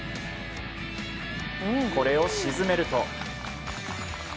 これを沈めると。